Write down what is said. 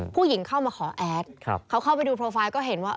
ผู้หญิงเข้ามาขอแอดเขาเข้าไปดูโปรไฟล์ก็เห็นว่า